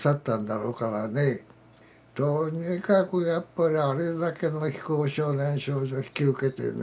とにかくやっぱりあれだけの非行少年・少女を引き受けてね。